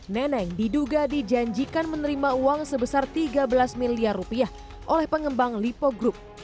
neneng diduga dijanjikan menerima uang sebesar tiga belas miliar rupiah oleh pengembang lipo group